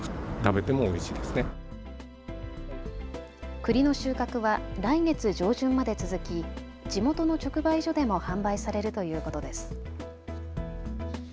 くりの収穫は来月上旬まで続き地元の直売所でも販売されるということです。